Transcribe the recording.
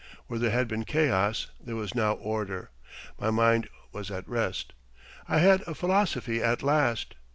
Where there had been chaos there was now order. My mind was at rest. I had a philosophy at last.